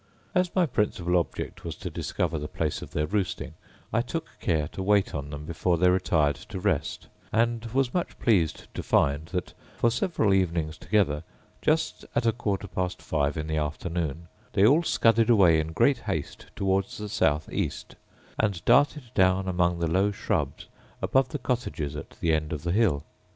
As my principal object was to discover the place of their roosting, I took care to wait on them before they retired to rest, and was much pleased to find that, for several evenings together, just at a quarter past five in the afternoon, they all scudded away in great haste towards the south east, and darted down among the low shrubs above the cottages at the end of the hill.